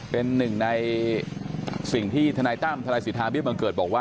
เป็นหนึ่งในสิ่งที่ทนายตั้มทนายสิทธาเบี้บังเกิดบอกว่า